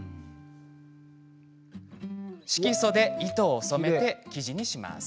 色素で糸を染めて生地にします。